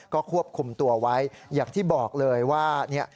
ก็ควบคุมตัวไว้อย่างที่บอกเลยว่าเนี่ย